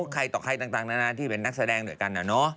ใครต่อใครต่างนั้นนะที่เป็นนักแสดงเหลือกัน